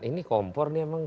ini kompor nih emang